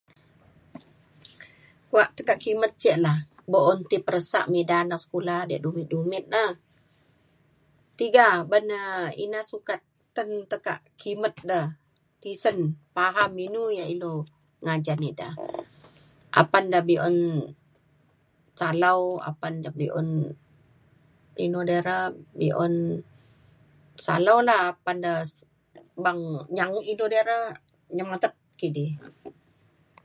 kuak tekak kimet ce na buk un ti peresa me ida anak sekula yak dumit dumit na tiga ban na ina sukat ten tekak kimet da tisen paham inu yak ilu ngajan ida. apan da be’un salau apan de be’un inu dei re be’un salau la apan de s- beng nyang- inu dei re nyeng atek kidi.